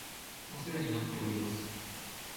お世話になっております